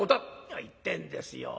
「何を言ってんですよ。